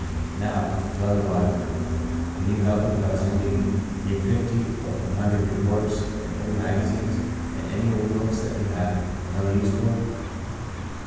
Now, Brother Wyburn, you can help me by sending me fifty or one hundred reports and old magazines, and any old books that you have no use for.